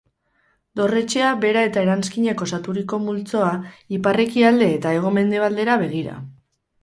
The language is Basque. Dorretxea bera eta eranskinek osaturiko multzoa, ipar-ekialde eta hego-mendebaldera begira.